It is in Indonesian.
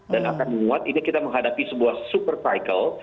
dan akan menguat ini kita menghadapi sebuah super cycle